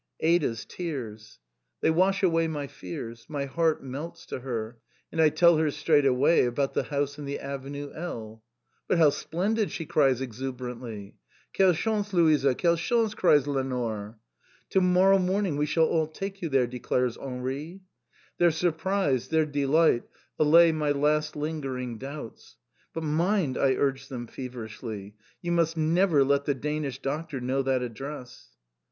Ada's tears! They wash away my fears. My heart melts to her, and I tell her straightway about the house in the avenue L. "But how splendid!" she cries exuberantly. "Quel chance, Louisa, quel chance!" cries Lenore. "To morrow morning we shall all take you there!" declares Henri. Their surprise, their delight, allay my last lingering doubts. "But mind," I urge them feverishly. "You must never let the Danish Doctor know that address."